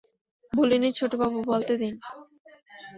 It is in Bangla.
বলিনি ছোটবাবু, বলতে দিন।